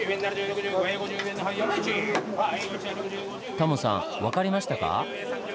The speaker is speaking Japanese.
タモさん分かりましたか？